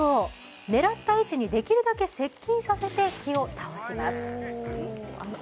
狙った位置にできるだけ接近させて、木を倒します。